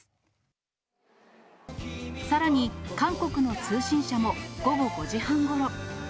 さらに、韓国の通信社も、午後５時半ごろ。